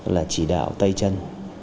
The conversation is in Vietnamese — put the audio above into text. là chỉ đạo tay chân